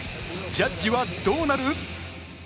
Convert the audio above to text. ジャッジはどうなる？